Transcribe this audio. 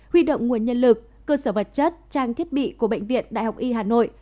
huy động nguồn nhân lực cơ sở vật chất trang thiết bị của bệnh viện đại học y hà nội